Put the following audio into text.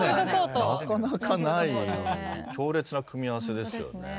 なかなかない強烈な組み合わせですよね。